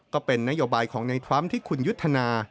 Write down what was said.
ก็เป็นนโยบายของในทรัมป์ที่คุณยุทธนา